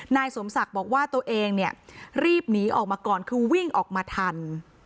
นายสมศักดิ์บอกว่าตัวเองเนี่ยรีบหนีออกมาก่อนคือวิ่งออกมาทัน